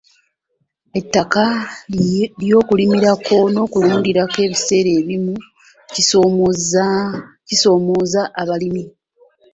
Ettaka ly'okulimirako n'okulundirako ebiseera ebimu kisoomooza abalimi